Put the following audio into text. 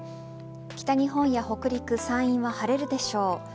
北日本や北陸、山陰は晴れるでしょう。